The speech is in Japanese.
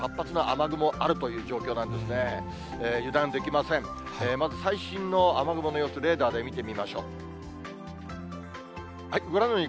まず最新の雨雲の様子、レーダーで見てみましょう。